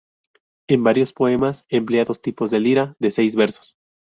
En varios poemas emplea dos tipos de lira de seis versos.